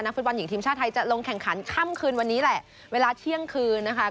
ฟุตบอลหญิงทีมชาติไทยจะลงแข่งขันค่ำคืนวันนี้แหละเวลาเที่ยงคืนนะคะ